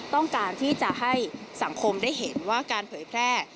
ต้องการที่จะให้สังคมได้เห็นว่าการเผยแพร่